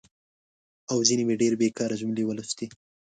او ځینې مې ډېرې بېکاره جملې ولوستي.